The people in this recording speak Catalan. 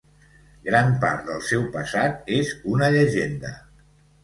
Gran part del seu passat és una llegenda.